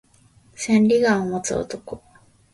千里眼を持つ男